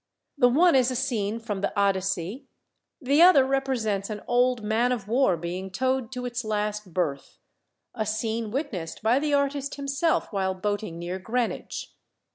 The one is a scene from the Odyssey; the other represents an old man of war being towed to its last berth a scene witnessed by the artist himself while boating near Greenwich.